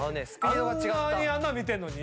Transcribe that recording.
あんなに穴見てんのに？